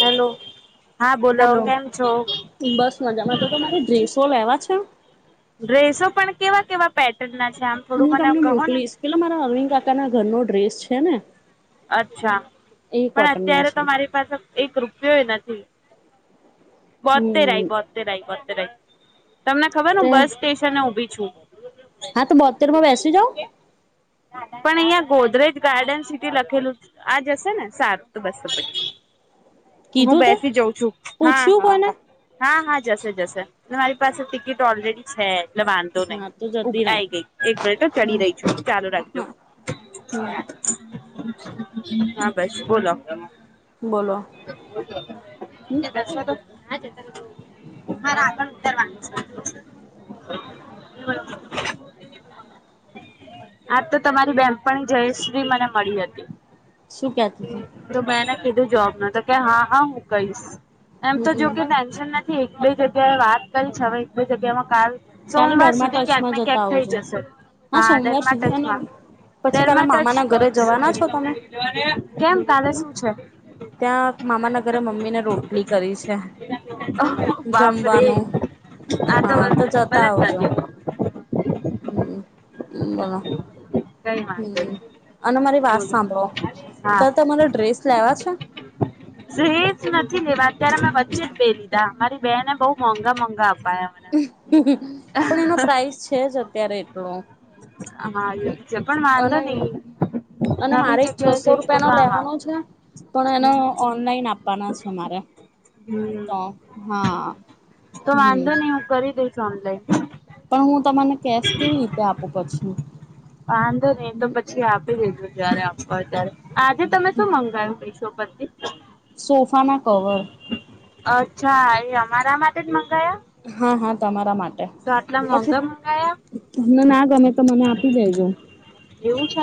Hello. હા બોલો hello કેમ છો બસ મજામાં તો મારે ડ્રેસો લેવા છે? ડ્રેસો પણ કેવા-કેવા પેટર્ન ના છે આમ થોડું હું મને તમને કહો ને મોકલીશ પેલા મારા અરવિંદ કાકાના ઘરનો ડ્રેસ છે ને અચ્છા એ પણ કોટનમાં અત્યારે છે. તો મારી પાસે એક રૂપિયોય નથી. બોતેરાઈ હમ બોતેરાઈ બોતેરાઈ. તમને ખબર તે હું બસ સ્ટેશને ઉભી છું. હા તો બોતેર માં બેસી જાઓ. પણ અહિયાં ગોધરેજ ગાર્ડન સીટી લખેલું છે. આ જશે ને સારુ તો બસ તો પછી. હું કીધું તે બેસી જઉં છું હા પૂછ્યું કોને હા હા હા જશે જશે ને મારી પાસે ટિકિટ ઓલરેડી છે જ એટલે વાંધો નહી હા તો ઉભ જતી રે આઈ ગઈ. એક મિનટ હો ચડી રહી છું ચાલુ રાખજો. હા હમ હા ભાઈ બોલો. બોલો. [inaudible] હમ માર આગળ. [unintelligible] આજ તો તમારી બેમપણી જયશ્રી મને મળી હતી. શું કેતીતી. તો મેં એને કીધું જોબ ન તો કે હા હ હું કહીશ એમ તો જો કે હમમ ટેન્શન નથી. કે એક બે જગ્યાએ વાત કરી છે હવે એક બે જગ્યા માં કાલ કાલે સોમવાર ડરમાં સુધી ક્યાંક ટચમાં ને જતા ક્યાંક થઈ આવજો જશે હા સોમવાર દરમાં સુધી અને ટચમાં. પછી કાલે દરમાં મામાના ઘરે ટચ જવાના છો તમે કેમ કાલે શું છે? ત્યાં મામાના ઘરે મમ્મીને રોટલી કરવી છે. બાપરે જમવાનું હા તો જતા બધા આવજો. જ હમ્મ હમ્મ બોલો. કઈ વાંધો હમ્મ નઈ અને મારી વાત બોલો સાંભળો તો તમારે ડ્રેસ લેવા છે. સેજ નથી લેવા અત્યારે મેં વચ્ચે જ બે લીધા મારી બેને બહુ મોંઘા મોંઘા અપાયા મને. પણ એનો પ્રાઇસ છે જ અત્યારે એટલો. હા જે પણ વાંધો અને નહી. અને મારે નવી એક જગ્યાએ છસો જઈ તો રૂપિયા નો કામ લેવાનો આવશે. છે પણ એને ઓનલાઈન આપ આપવાના છે મારે હમ તો હા તો હમ્મ. વાંધો નહી હું કરી દઈશ ઓનલાઈન. પણ હું તમને કેશ કેવી રીતે આપુ પછી હ. વાંધો નહી તો પછી આપી દેજો જયારે આપવા હોય ત્યારે આજે તમે શું મંગાયુ મિશો પરથી. સોફા ના કવર અચ્છા એ અમારા માટે જ મંગ હા-હા તમારા માટે. આટલા માટે. મોંઘા મંગાયા? પછી તમને ના ગમે તો મને આપી દેજો. એવું છે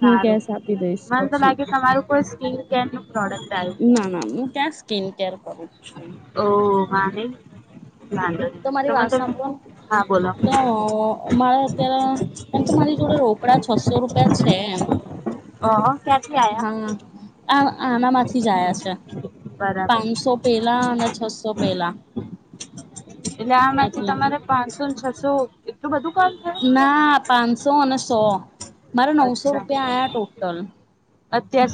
હું સારું. કેશ આપી દઈશ મને તો પછી લાગે તમારું કોઈ સ્કીન કેર નું પ્રોડક્ટ આવ્યું ના-ના હું ક્યાં સ્કિન કેર કરું છું ઓ હા નઈ. તો મારી વાત સાંભળો હા બોલો તો, મારા અત્યારે એમ તો મારી જોડે રોકડા છસો રૂપિયા છે, એમ હ, હ ક્યાથી આયા. હા આ આના માંથી જયા છે. બરાબર પાંચસો પેલા, અને છસો પેલા એટલે આમાંથી, એટલે તમારે પાંચસો ને છસો એટલું બધું કામ થયું ના પાંચસો, અને સો મારા નવસો અચ્છા રૂપિયા આયા ટોટલ અત્યાર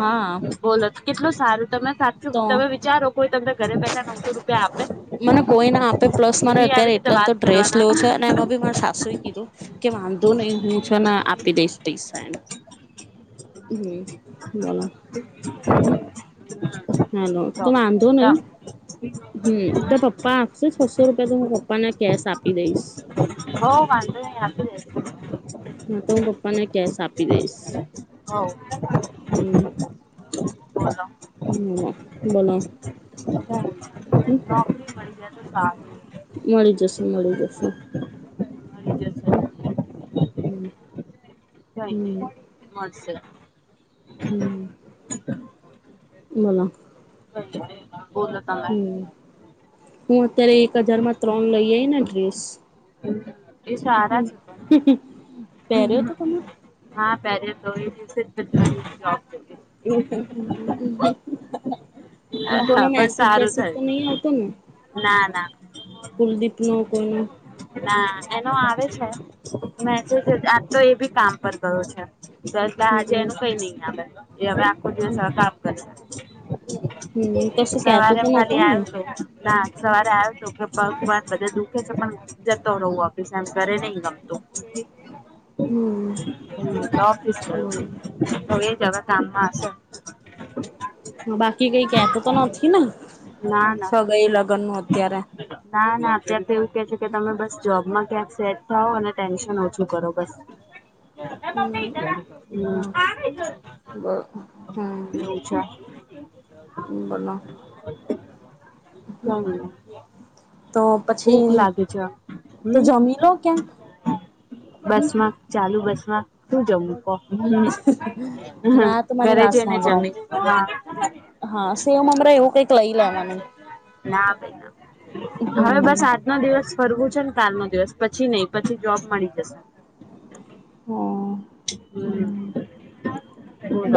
હા બોલો કેટલું સારું, તમે સાચું તો તમે વિચારો કોઈ તમને ઘરે બેઠા નવસો રૂપિયા આપે મને કોઈ ના આપે પ્લસ એ મારે બી આવી અત્યારે રીતે એટલા તો વાત ડ્રેસ કરવાના લેવો છે, અને એમાં બી માર સાસુ એ કીધું કે વાંધો નહી હું છન આપી દઈશ પૈસા એન હમ, બોલો હ હલો તો વાંધો નઈ હમ્મ, તો પપ્પા આપશે છસો રૂપિયા તો હું પપ્પાને કેશ આપ હો વાંધો નહી આપી દેસુ હા, તો હું પપ્પાને કેશ આપી દઈશ. હઓ. બોલો હમ બોલો. હમ હા. મળી જશે, મળી જશે મળી જશે હમ, હમ, હમ મસ્ત છે. હમ, બોલો બોલો, તમે હમ હું, અત્યારે એક હજારમાં ત્રણ લઈ આવીને ડ્રેસ એ સારા છે. પહેર્યો તો તમે પહેયો તો બી એજ દિવસે જોબ ગઈ તો હ કોઈનો હા પણ મેસેજ સારું વેસેજ થયું તો, નહીં આવતો ને ના ના કુલદીપનો કોઈનો ના એનો આવે છે. મે તો આજ તો એ બી કામ પર ગયો છે. આજે હમ એનું કઈ નઈ આવે એ હવે આખો દિવસ કામ કરે હમ કશું કેતો સવારે તો નહોતો ખાલી ને આવજે ના સવારે આવ તુ કે પન બધા દુખે છે, પણ જતો રહવું આપીશ એમ ઘરે નઈ ગમતું હ,, ઓફીસ બોલો ગયો કામમાં હસે હ બાકી કઈ કેતો તો નથી, ને ના ના સગાઈ લગન ના, ના અત્યાર તો એવું કે છે કે તમે બસ જોબમાં ક્યાંક સેટ થોવ અને ટેન્શન ઓછું કરો બસ હમ હમ હ, બ હમ અચ્છા. બોલો હા કમ તો પછી ભૂખ લાગે છે. તો હમ જમી લો કેમ બસમાં ચાલુ બસ માં શું જમવું હ, હ ના તો મારી ઘરે વાત જઈને સાંભળો જમીસ હા સેવ મમરા એવું કઈક લઈ લેવાનું ના બેે, ના હવે હમ બસ આજનો દિવસ ફરવું છેને, કાલનો દિવસ પછી નહી. પછી જોબ મળી જશે હમ્મ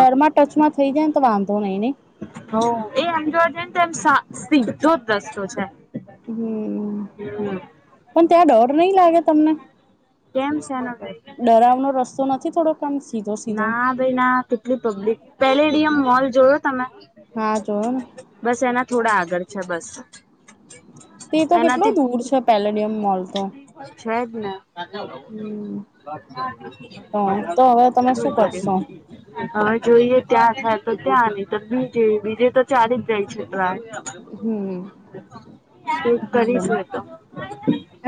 ડરમા, ટચમાં થઇ જા, ય ને તો વાંધો નહી નય હ, એ એમ જોવા જાય ને તો એમ સા સીધો જ રસ્તો છે. હમ્મ, હમ પણ ત્યાં ડર નહિ. લાગે તમને કેમ છે. ભાઈ ડરાવનો, રસ્તો નથી. થોડો ના ભઈ, ના કેટલી પબ્લિક પેલેડીયમ મોલ જોયો. તમે હા જોયો ને બસ એના થોડા આગળ છે, બસ તે તો કેટલો એનાથી દૂર છે. પેલેડિયમ મોલ તો છે જ ને હમ તો તો હવે તમે શું કરશો હવે, જોઈએ ત્યા થાય તો ત્યાં ની તો બીજે, બીજે તો ચાલી જ જાય છે. હમ કંઈક, કરીશ બને હોય તો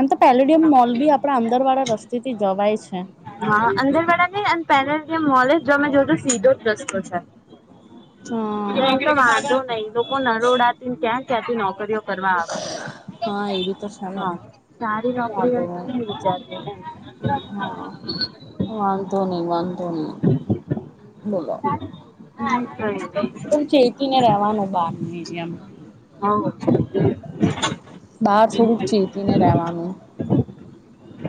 એમ, તો પેલોડિયમ મોલ બી આપડા અંદર વાળા રસ્તે, થી જવાય છે. હા, અંદર વાળા નઈ અને પેલેડિયમ મોલે જો મેમે જોયતું સીધો જ રસ્તો છે. એ હમ તો વાંધો નઈ લોકો, નરોડાતી ને ક્યાં ક્યાંથી નોકરીઓ કરવા આવે હા એ બી તો છે ને હા, સારી નોકરી વાંધો નહી માટે વિચાર [unintelligible] વાંધોની, વાંધોની બોલો હમ, એમ પણ ચેતીને રેવાનું બહાર નીકડે એમ હવ હમ [unintelligible] [unintelligible] બહાર થોડુક ચેતીને રવાનુ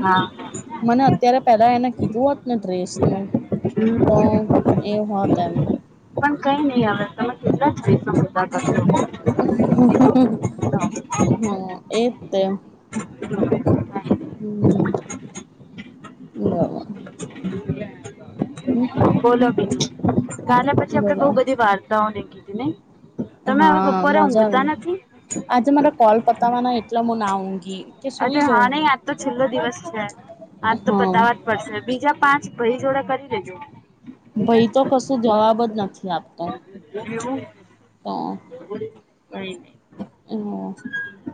હા મને અત્યારે, પેલા એને કીધું હોત ને ડ્રેસ નુ હમ તો, એ હોત એમ પણ કઈ નહી, આવે [unintelligible] કે [unintelligible] [unintelligible] હમ એજતે હમ્મ, બ [unintelligible] બોલો, બીજુ ગાને પછી આપડે બોલો બહ બધી વાર્તાઓને [unintelligible] કીધી નહી. હા, મજા આવે આજે મારે કોલ પતાવાના એટલે મુ ના ઊંઘી કે સુઈ અરે જઉં હા, નહી, હું આજ તો છેલ્લો દિવસ છે આજ તો હા પતાવાજ પડશે બીજા પાંચ ભાઈ, જોડે કરી લેજો ભાઈ, તો કશું જવાબ જ નથી. આપતા એવુ હ કઈ, નહી હા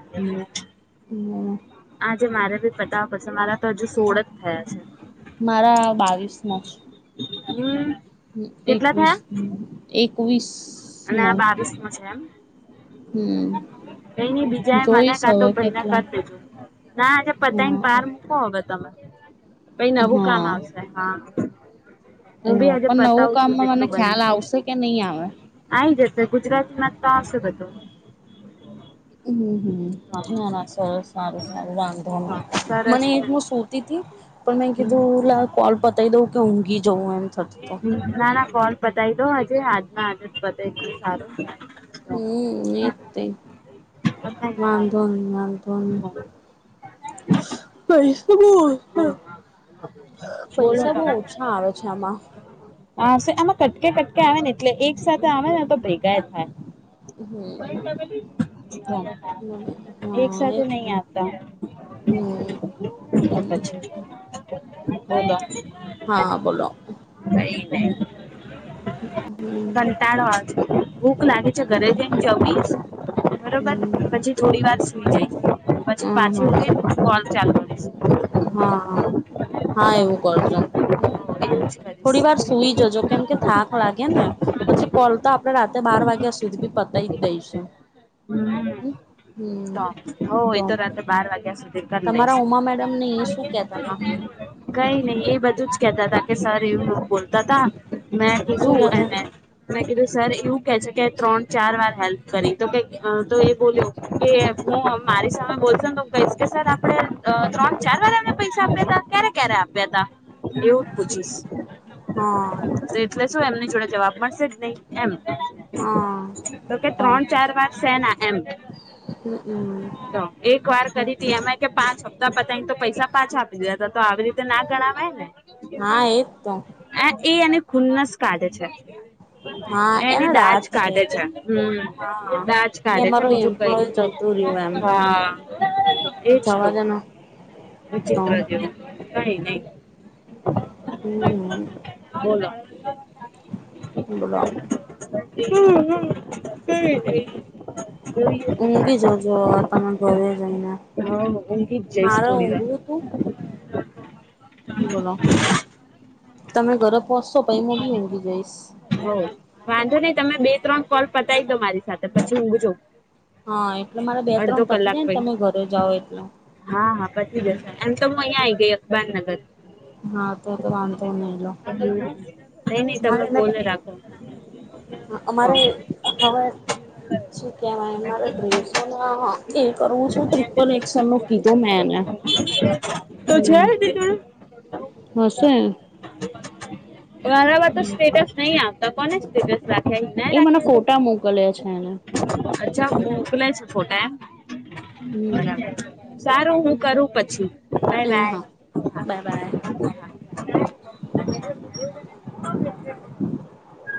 [unintelligible] આ આજે, મારે ભી પતાવા પડશે મારા તો હજુ સોળ જ થયા છે. મારા હમ્મ હ એકવીસ, એકવીસ અને નો આ બાવીસમા છે, એમ હમ કઈ, ન બીજા એ મને જોઈશ કાતો હવે ભાઈને કેટલા કરી દેજો ના આજે હ પતાઈન, પાર મૂકો હવે તમે પઈ નવું કામ હા આવશે હા. હું ભી આજે પણ નવું પતાવું છું કામમાં મને જેટલું બને ખ્યાલ છે. આવશે કે નહી આવે આઈ જસે ગુજરાતમાં જ તો આવસે બધુ. હમ. ના ના સરસ સારુ સારુ વાંધોની, સરસ મને એ જ ને હુ સૂતી હતી પણ મેં કીધુ હમ. લાવ કોલ પતાયી ડોઉ કે ઉંગી ના ના કોલ પતાય દો આજે આજના આજ પતાયતો સારું. હમ એજ તે. વાંધોન વાંધોન. પૈસા બ [unintelligible] બોલો પૈસા બહ ઓછા આવે છે આમાં. આવસે આમાં કટકે કટકે આવે ને એટલે એક સાથે આવે ને તો ભેગા થાય. હા એકસાથે એ નહી આવતા. હમ અચ્છા બોલો. હા બોલો. હમ કંટાળો આવજ ભૂખ લાગે છે ઘરે જઈ હમ હ બરોબર પછી થોડી વાર સુઈ જાઇ, પછી હા પાછી ઉઠીન કોલ ચાલુ કરીસ. હા હા હા એવું કરજો. એવું જ કરીશ થોડી વાર સુઈ જજો કેમ કે થાક લાગે ને, પછી કોલ તો આપણે રાતે બાર વાગ્યા સુધી બી પતાય દઈશું. હ હમ તો હો એ તો રાત્રે બાર વાગ્યા સુધી ઈ તમારા ઉમા મેડમ ને એ શું કેતા હતા કઈ નહ એ બધું જ કેતા તા કે સર એવું બોલતા તા મેં શું કીધું કેતા એને મેં કીધું સર એવું કે છે કે ત્રણ ચાર વાર હેલ્પ કરી તો કે હ તો એ બોલ્યો, કે હું મારી સામે બોલશ તો કહીશ કે સર આપડે ત્રણ ચા બારવાર એને પૈસા આપ્યા ત ક્યારે ક્યારે આપ્યા તા. એવું જ પૂછીશ, હા એટલે શું એમની જોડે જવાબ મળશે જ નહી એમ, હા તો કે હા ત્રણ ચાર વાર સેના એમ, હમમ તો એક વાર કરી હતી એમે પાંચ હપ્તા પતાય તો પૈસા પાછા આપી હતા. તો આવી રીતે ના ગણવાય ને, હા એજ તો એ એને ખુન્નસ કાઢે છે. હા એને એની દાજ રાત કાઢે કે છે હ હા દાજ કે કાઢે છે અમારો બીજું કઈ, એમ્પ્લોય જતું રહ્યું એમ હા એજ તો. જવા દેને તો [unintelligible] કાંઈ નઈ. હમ. હા [unintelligible] [unintelligible] [unintelligible] ઊંઘી જો જો વા ત ઘરે જઈને. હા ઊંઘી જ જઈશ મારો થોડી વાર ઊઘું તું, હ બોલો. તમે ઘરે પહોચશો પાઈ મુ બી ઊઘી જઈશ. હો વાંધો નહી તમે બે ત્રણ કોલ પતાવી દો મારી સાથે પછી ઊંઘજો. હા એટલે મારે બે ત્રણ પછી જાય ને તમે ઘરે જાઓ એટલે. હા હા પચી જશે એમ તો હું અહિયાં આ આવી ગઈ અખબારનગર. હા તો તો વાંધ હ નઈ નહ તમે અમારે બોલે એને રાખો. અમારે હવે શું કેવાય મારે ડ્રેશોને એ કરવું છું ટ્રિપલ એકસલ નું કીધું મેં એને. [inaudible] તો હમ છે, દિને હશે બરાબર, તો સ્ટેટસ નહી. આવતા કોને સ્ટેટસ રા એ મને ફોટા મોકલ્યા છે એને છે અચ્છા હુ, મોકલે છે. ફોટા એમ હમ બરાબર સારુ હુ કરુ, પછી બાય એ બાય હા બાય બાય [inaudible] [inaudible]